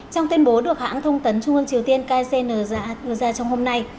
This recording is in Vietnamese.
trong tuyên bố được hãng thông tấn trung ương triều tiên kcna đưa ra trong hôm nay